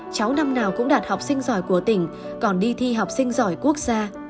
cháu năm nào cũng đạt học sinh giỏi của tỉnh còn đi thi học sinh giỏi quốc gia